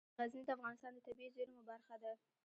غزني د افغانستان د طبیعي زیرمو برخه ده.